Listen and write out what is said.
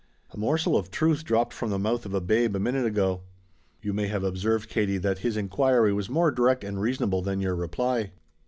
A morsel of truth dropped from the mouth of a babe a minute ago. You may have observed, Katie, that his inquiry was more direct and reasonable than your reply.